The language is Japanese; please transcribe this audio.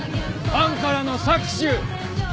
ファンからの搾取。